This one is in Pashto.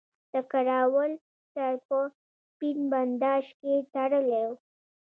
د کراول سر په سپین بنداژ کې تړلی وو.